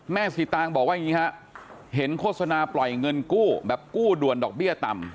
สีตางบอกว่าอย่างนี้ฮะเห็นโฆษณาปล่อยเงินกู้แบบกู้ด่วนดอกเบี้ยต่ำ